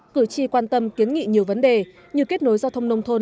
cử tri quan tâm kiến nghị nhiều vấn đề như kết nối giao thông nông thôn